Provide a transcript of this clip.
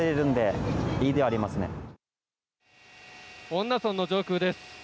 恩納村の上空です。